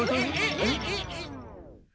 えっ！？